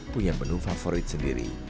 punya menu favorit sendiri